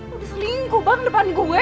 lu udah selingkuh bang depan gue